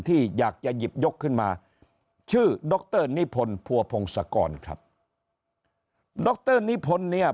ที่อยากจะหยิบยกขึ้นมาชื่อดรนิพนธ์ภัวพงศกรครับดรนิพนธ์เนี่ย